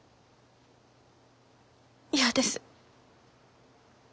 嫌です。